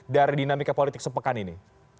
dari dinamika politik sepekan ini